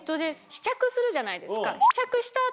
試着するじゃないですか。